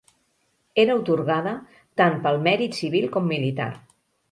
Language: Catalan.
Era atorgada tant pel mèrit civil com militar.